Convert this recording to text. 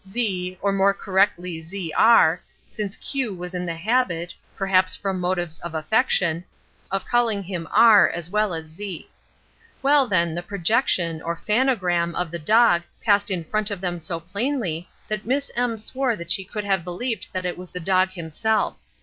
"Z, or more correctly Z R, since Q was in the habit, perhaps from motives of affection, of calling him R as well as Z. Well, then, the projection, or phanogram, of the dog passed in front of them so plainly that Miss M swore that she could have believed that it was the dog himself.